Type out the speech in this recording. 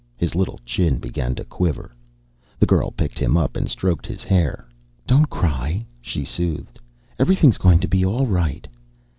His little chin began to quiver. The girl picked him up and stroked his hair. "Don't cry," she soothed. "Everything's going to be all right."